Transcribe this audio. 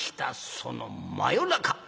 その真夜中。